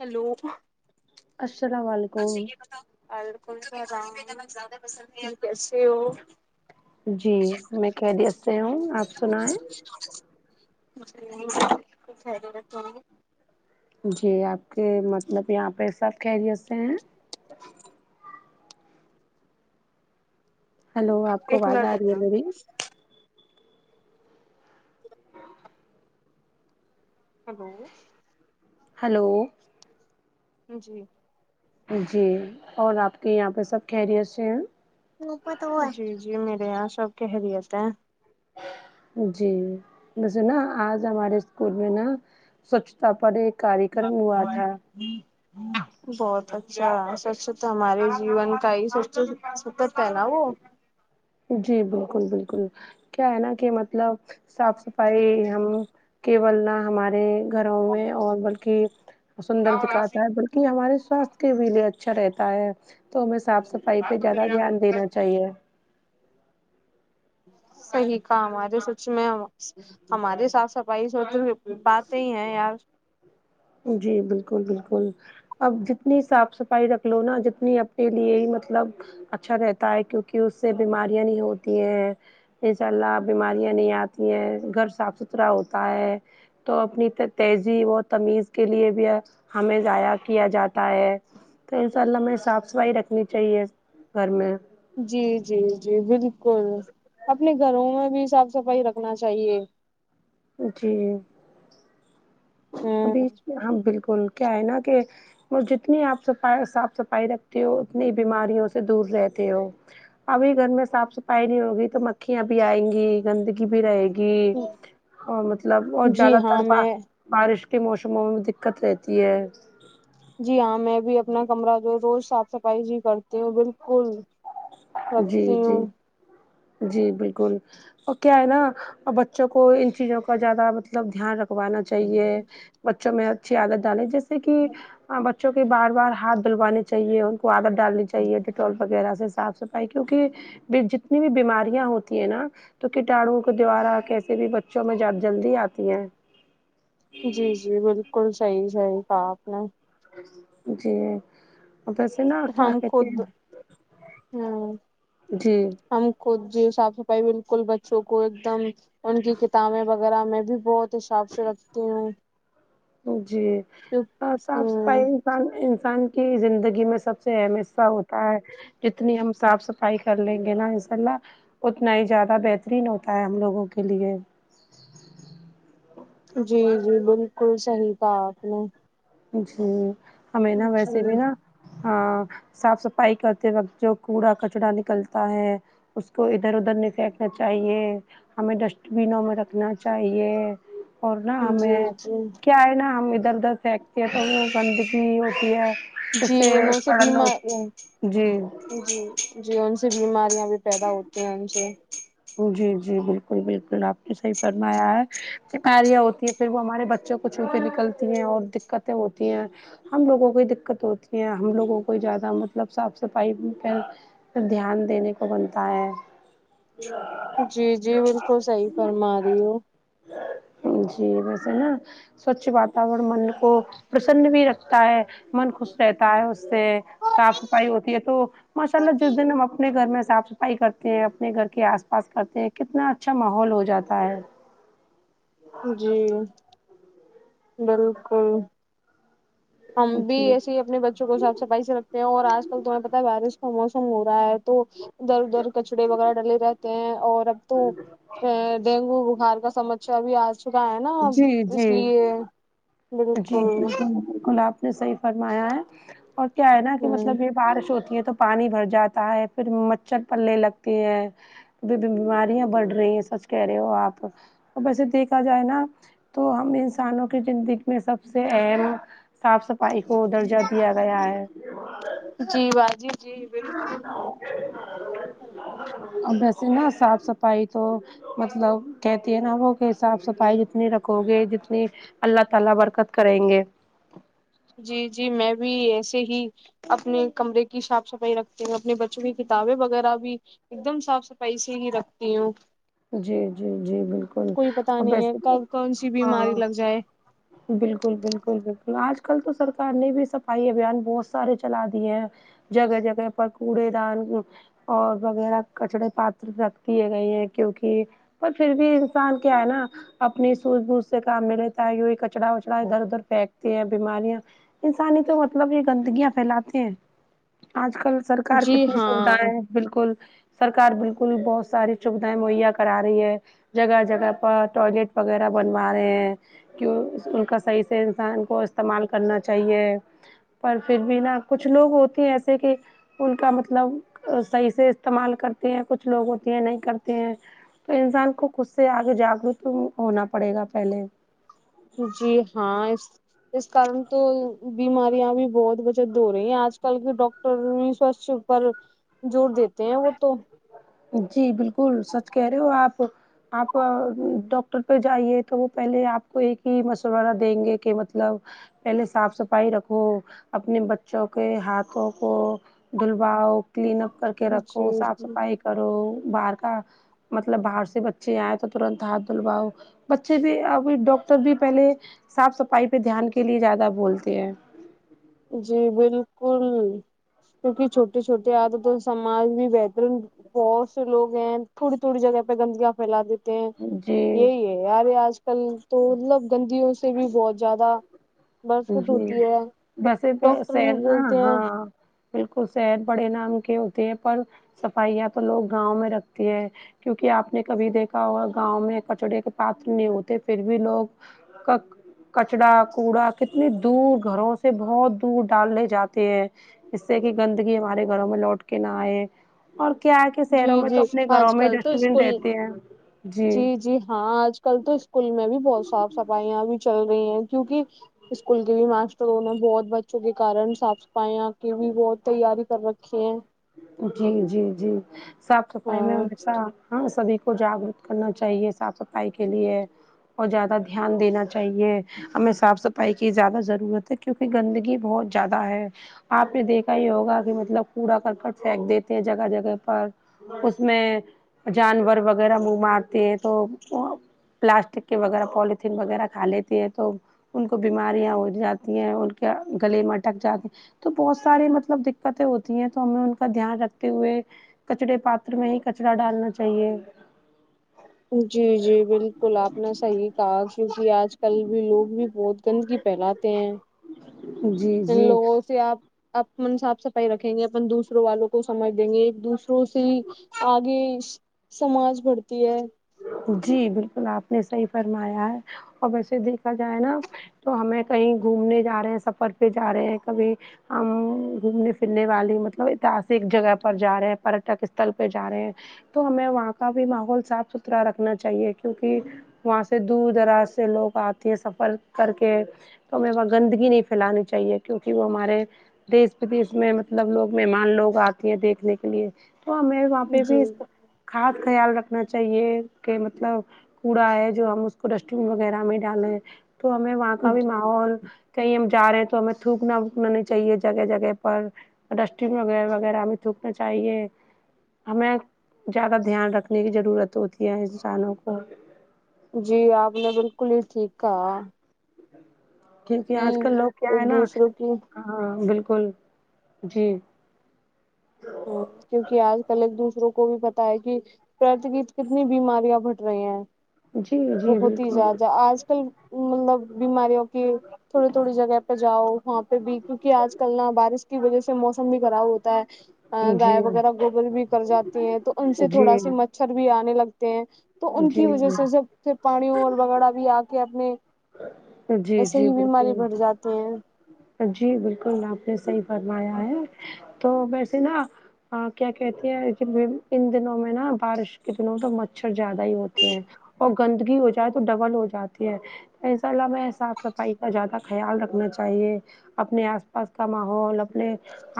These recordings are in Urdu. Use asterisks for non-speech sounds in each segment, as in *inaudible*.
ہیلو ہلو السلام اچھا یہ علیکم بتاؤ ولیکم سلام کیسے ہو جی میں خیریت سے ہوں آپ سنائیں جی خیریت جی آپ کے مطلب یہاں پہ سب خیریت سے ہیں ہیلو آپ کو ایک آواز منٹ آ رہی ہے رکنا میری ہیلو ہیلو جی جی اور آپ کے یہاں پہ سب خیریت سے ہیں جی جی میرے یہاں سب خیہریت ہے جی ویسے ناں آج ہمارے اسکول میں ناں سوچھتا پر ایک کاریہ کرم ہوا تھا بہت اچھا سوچ تو ہمارے جیون کا ہی سچ *unintelligible* جی بالکل بالکل کیا ہے ناں کہ مطلب صاف صفائی ہم کیول نہ ہمارے گھروں میں اور بلکہ سندر دکھاتا ہے بلک کہ ہمارے سواستھ کے بھی لیے اچھا رہتا ہے تو ہمیں صاف صفائی پہ زیادہ دھیان دینا چاہیے صحیح کہا ہمارے سوچ میں ہمارے صاف صفائی سوچ باتیں ہی ہیں یار جی بالکل بالکل اب جتنی صاف صفائی رکھ لو ناں جتنی اپنے لیے ہی مطلب اچھا رہتا ہے کیونکہ اس سے بیماریاں نہیں ہوتی ہیں ان شاء اللہ بیماریاں نہیں آتی ہیں گھر صاف ستھرا ہوتا ہے تو اپنی تہذیب و تمیز کے لیے بھی ہمیں ضائع کیا جاتا ہے تو ان شاء اللہ ہمیں صاف صفائی رکھنی چاہیے گھر میں جی جی جی بالکل اپنے گھروں میں بھی صاف صفائی رکھنا چاہیے جی ابھی ہاں بالکل کیا ہے نا کہ اور جتنی آپ صفائی صاف صفائی رکھتی ہو اتنی بیماریوں سے دور رہتے ہو ابھی گھر میں صاف صفائی نہیں ہوگی تو مکھیاں بھی آئیں گی گندگی بھی رہے گی جی مطلب اور جی زیادہ تر ہاں میں بارش کے موسموں میں بھی دقت رہتی ہے جی ہاں میں بھی اپنا کمرہ جو روز صاف صفائی جی کرتی ہوں بالکل جی رکھتی جی ہوں جی بالکل اور کیا ہے نا بچوں کو ان چیزوں کا زیادہ مطلب دھیان رکھ وانا چاہیے بچوں میں اچھی عادت ڈالے جیسے کہ بچوں کے بار بار ہاتھ دھلوانی چاہیے ان کو عادت ڈالنی چاہیے ڈیٹول وغیرہ سے سات فائی کیونکہ جتنی بھی بیماریاں ہوتی ہیں نا تو کٹانوں کو دیارا کیسے بھی بچوں میں جلدی آتی ہیں جی جی بالکل صحیح صحیح کہا آپ نے جی اب ایسے نہ ہم خود امم جی ہم خود جی صاف صفائی بالکل بچوں کو ایک دم ان کی کتابیں وغیرہ میں بھی بہت حساب سے رکھتی ہے جی صاف صفائی انسان انسان کی زندگی میں سب سے اہم حصہ ہوتا ہے جتنی ہم صاف صفائی کر لیں گے نا انسا اللہ اتنا ہی زیادہ بہترین ہوتا ہے ہم لوگوں کے لیے جی جی بالکل صحیح کہا آپ نے جی ہمیں نا ویسے بھی نا ہاں صاف صفائی کرتے وقت جو کوڑا کچرا نکلتا ہے اس کو ادھر ادھر نہیں پھینکنا چاہیے ہمیں ڈسٹ بینوں میں رکھنا چاہیے اور نا ہمیں جی جی کیا ہے نا ہم ادھر ادھر سے گندگی ہوتی ہے اس جی جی سے انہوں پڑن بیمار ہوتی ہے جی جی جی ان سے بیماریاں بھی پیدا ہوتی ہیں ان سے جی جی بالکل بالکل آپ نے صحیح فرمایا ہے بیماریاں ہوتی ہے پھر وہ ہمارے بچوں کو چھو کے نکلتی ہیں اور دقتیں ہوتی ہیں ہم لوگوں کو دقت ہوتی ہے ہم لوگوں کو زیادہ مطلب صاف صفائی پہ پھر دھیان دینے کو بنتا ہے جی جی بالکل صحیح فرما رہی ہو جی ویسے نا سوچھ واتاورن من کو پرسن بھی رکھتا ہے من خوش رہتا ہے اس سے صاف صفائی ہوتی ہے تو ماشاء اللہ جس دن ہم اپنے گھر میں صاف صفائی کرتے ہیں اپنے گھر کے آس پاس کرتے ہیں کتنا اچھا ماحول ہو جاتا ہے جی بالکل ہم بھی جی ایسی اپنے بچوں کو صاف صفائی سے رکھتے ہیں اور آج کل تمہیں پتہ ہے بارش کا موسم ہو رہا ہے تو ادھر ادھر کچڑے وغیرہ ڈلے رہتے ہیں اور اب تو ڈینگو بخار کا سمسیہ بھی آج چکا ہے نا جی اس جی لیے جی بالکل بالکل بالکل آپ صحیح فرمایا ہے اور کیا ہے نا کہ ہوں مطلب یہ بارش ہوتی ہے تو پانی بھر جاتا ہے پھر مچھر پلنے لگتے ہیں بیماریاں بڑھ رہی ہیں سچ کہہ رہے ہو آپ ویسے دیکھا جائے نا تو ہم انسانوں کی زندگی میں سب سے اہم صاف صفائی کو درجہ دیا گیا ہے جی باجی جی بالکل اب ویسے نا صاف صفائی تو مطلب کہتی ہے نا وہ کہ صاف صفائی جتنی رکھو گے جتنی اللہ تعالی برکت کریں گے جی جی میں بھی ایسے ہی اپنے کمرے کی صاف صفائی رکھتے ہیں اپنے بچوں کی کتابیں وغیرہ بھی ایک دم صاف صفائی سے ہی رکھتی ہوں جی جی جی بالکل کوئی پتا اور نہیں ہے ویسے کب کون سی بیماری ہاں لگ جائے بالکل بالکل بالکل آج کل تو سرکار نے بھی صفائی ابھیان بہت سارے چلا دیے ہیں جگہ جگہ پر کوڑے دان اور وغیرہ کچڑے پاتر رکھ دیے گئے ہیں کیونکی پر پھر بھی انسان کیا ہے نا اپنی سوجھ بوجھ سے کام میں لیتا ہے کچرا وچڑا ادھر ادھر پھینکتے ہیں بیماریاں انسان ہی تو مطلب یہ گندگیاں پھیلاتے ہیں آج کل سرکار جی کتنی ہاں سودھائیں بالکل سرکار بالکل بہت ساری سویدھائیں مہیا کرا رہی ہے جگہ جگہ پر ٹوائلیٹ وغیرہ بنوا رہے ہیں کی ان کا صحیح سے انسان کو استعمال کرنا چاہیے پر پھر بھی نا کچھ لوگ ہوتے ایسے کہ ان کا مطلب صحیح سے استعمال کرتے ہیں کچھ لوگ ہوتے ہیں نہیں کرتے ہیں تو انسان کو خود سے آگے جاگروک ہونا پڑے گا پہلے جی ہاں اس اس کارن تو بیماریاں بھی بہت بچت ہو رہی ہیں آج کل کے ڈاکٹ ٹر رسرچ پر زور دیتے ہیں وہ تو جی بالکل سچ کہہ رہے ہو آپ آپ ڈاکٹر پہ جائیے تو وہ پہلے آپ کو ایک ہی مشورہ دیں گے کہ مطلب پہلے صاف صفائی رکھو اپنے بچوں کے ہاتھوں کو دلواؤ کلین اپ کر کے جی رکھو صاف صفائی کرو باہر کا مطلب باہر سے بچے آئے تو ترنت ہاتھ دھلواؤ بچے بھی ابھی ڈاکٹر بھی پہلے صاف صفائی پہ دھیان کے لیے زیادہ بولتے ہیں جی بالکل کیونکہ چھوٹے چھوٹے عادتوں سماج بھی بہترین بہت سے لوگ ہیں تھوڑی تھوڑی جگہ پہ گندگیاں پھیلا دیتے تے جی یہی ہے یار آج کل تو مطلب گندیوں سے بھی بہت زیادہ برفت جی ہوتی ہے ویسے ڈاکٹر بھی سیر بولتے ہیں ہاں بالکل سیر بڑے نام کے ہوتے ہیں پر صفائیاں تو لوگ گاؤں میں رکھتی ہے کیونکی آپ نے کبھی دیکھا ہوگا گاؤں میں کچڑے کے پات نہیں ہوتے پھر بھی لوگ کک کچڑا کوڑا کتنی دور گھروں سے بہت دور ڈالنے جاتے ہیں اس سے کہ گندگی ہمارے گھروں میں لوٹ کے نہ آئے اور کیا ہے کہ جی شہروں میں تو جی اپنے گھروں آج میں کل تو ڈسٹ بن اسکول رہتے ہیں جی جی ہاں آج کل تو اسکول میں بھی بہت صاف صفائیاں بھی چل رہی ہیں کیونکی اسکول کے بھی ماسٹروں نے بہت بچوں کے کارن صاف صفائیاں کی بھی بہت تیاری کر رکھی ہے جی جی جی صاف صفائی میں ہاں ہمیشہ ہاں سبھی کو جاگرک کرنا چاہیے صاف صفائی کے لیے اور زیادہ دھیان دینا چاہیے ہمیں صاف صفائی کی زیادہ ضرورت ہے کیونکہ گندگی بہت زیادہ ہے آپ نے دیکھا ہی ہوگا کہ مطلب پورا کر پر پھینک دیتے ہیں جگہ جگہ پر اس میں جانور وغیرہ منہ مارتے ہیں تو پلاسٹک کے وغیرہ پولییتھین وغیرہ کھا لیتی ہے تو ان کو بیماریاں ہو جاتی ہیں ان کے گلے مے ا ٹک جاتے ہیں تو بہت ساری مطلب دقتیں ہوتی ہیں تو ہمیں ان کا دھیان رکھتے ہوئے کچڑے پاتر میں ہی کچرا ڈالنا چاہیے جی جی بالکل آپ نے صحیح کہا کیونکہ آج کل بھی لوگ بھی بہت گندگی پھیلاتے ہیں جی ان جی لوگوں سے اپ اپن صاف صفائی رکھیں گے اپن دوسروں والوں کو سمجھ دیں گے ایک دوسروں سے ہی آگے سماج بڑھتی ہے جی بالکل آپ نے صحیح فرمایا ہے اور ویسے دیکھا جائے نا تو ہمیں کہیں گھومنے جا رہے ہیں سفر پہ جا رہے ہیں کبھی ہم گھومنے پھرنے والے مطلب ایتحسک جگہ پر جا رہے ہیں پٹک استل پہ جا رہے ہیں تو ہمیں وہاں کا بھی ماحول صاف ستھرا رکھنا چاہیے کیونکہ وہاں سے دور دراز سے لوگ آتے ہیں سفر کر کے تو ہمیں وہ گندگی نہیں پھیلانی چاہیے کیونکہ وہ ہمارے دیس ودیش میں مطلب لوگ مہمان لوگ آتے ہیں دیکھنے کے لیے تو ہمیں وہاں پہ بھی جی خاص خیال رکھنا چاہیے کہ مطلب کوڑا ہے جو ہم اس کو ڈسٹبین وغیرہ میں ڈالیں تو ہمیں وہاں کا بھی ماحول کہیں ہم جا رہے ہیں تو ہمیں تھوکنا وکنا نہیں چاہیے جگہ جگہ پر اور ڈسٹبن وغیرہ وغیرہ ہمیں تھوکنا چاہیے ہمیں زیادہ دھیان رکھنے کی ضرورت ہوتی ہے انسانوں کو جی آپ نے بالکل ہی ٹھیک کہا کیونکہ کہ آج کل لوگ کیا ایک ہے نا دوسروں کی ہاں بالکل جی ہمم کیونکہ آج کل ایک دوسروں کو بھی پتا ہے کہ پرت کی کتنی بیماریاں بھٹ رہی ہیں جی جی بہت ہی بالکل زیادہ آج کل مطلب بیماریوں کہ تھوڑی تھوڑی جگہ پہ جاؤ وہاں پہ بھی کیونکہ آج کل نا بارش کی وجہ سے موسم بھی خراب ہوتا ہے گائے جی وغیرہ گوبر بھی کر جاتی ہیں تو ان سے جی تھوڑا س مچھر بھی آنے لگتے ہیں تو ان کی وجہ جی سے جب پھر پانی اور وغیرہ بھی آ کے اپنے جی ایسے جی ہی بیماری بالکل بڑھ جاتی ہیں جی بالکل آپ نے صحیح فرمایا ہے تو ویسے نا ہ کیا کہتی ہیں ان دنوں میں نا بارش کے دنوں میں تو مچھر زیادہ ہی ہوتے ہیں اور گندگی ہو جائے تو ڈبل ہو جاتی ہے ایسا لمحہ صاف صفائی کا زیادہ خیال رکھنا چاہیے چاہیے اپنے آس پاس کا ماحول اپنے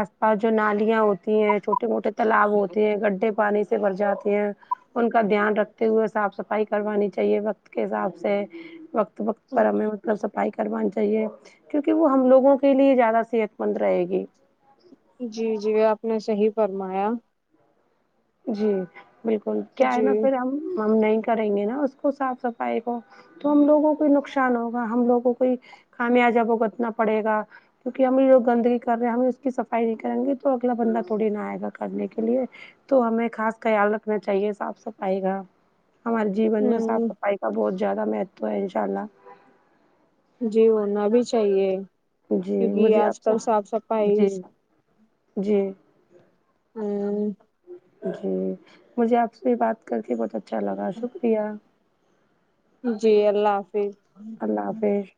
آس پاس جو نالیاں ہوتی ہیں چھوٹے موٹے تالاب ہوتے ہیں گڈھے پانی سے بھر جاتے ہیں ان کا دھیان رکھتے ہوئے صاف صفائی کروانی چاہیے وقت کے حساب سے وقت وقت پر ہمیں مطلب صفائی کروانی چاہیے کیونکہ وہ ہم لوگوں کے لیے زیادہ صحت مند رہے گی جی جی آپ نے صحیح فرمایا جی بالکل کیا ہے جی نا پھر ہم ہم نہیں کریں گے نا اس کو صاف صفائی کو تو ہم لوگوں کو نقصان ہوگا ہم لوگوں کوئی خامیازا بگتنا پڑے گا کیونکہ ہم ہی لوگ گندگی کر رہے ہیں ہم اس کی صفائی نہیں کریں گے تو اگلا بندہ تھڑی نہ آئے گا کرنے کے لیے تو ہمیں خاص خیال رکھنا چاہیے صاف صفائی کا ہمارے جیون میں صاف ہ صفائی کا بہت زیادہ مہتو ہے ان شاء اللہ جی ہونا بھی چاہیے جی کیونکہ مجھے آج آپ سے کل صاف صفائی جی جی ہاں جی مجھے آپ سے بھی بات کر کے بہت اچھا لگا شکریہ جی اللہ حافظ اللہ حافظ